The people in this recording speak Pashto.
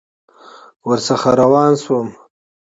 ورڅخه روان شوم.